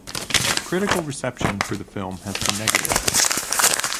Critical reception for the film has been negative.